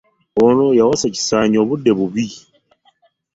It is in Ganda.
Ono yawasa kisaanyi obudde bubi.